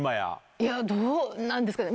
いや、どうなんですかね？